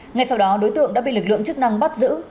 ngay sau đó đối tượng đã bị lực lượng chức năng bắt giữ